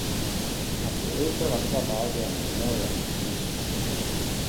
Mafuriko katika baadhi ya maeneo ya Bugisu